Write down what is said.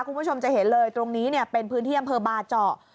คุณผู้ชมจะเห็นเลยตรงนี้เป็นพื้นที่อำเภอบาเจาะ